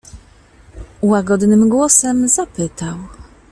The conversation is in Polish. "Łagodnym głosem zapytał."